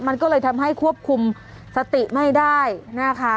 มันก็เลยทำให้ควบคุมสติไม่ได้นะคะ